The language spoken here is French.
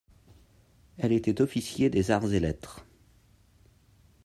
Elle était officier des Arts et Lettres.